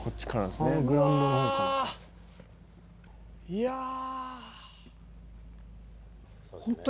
いやあ。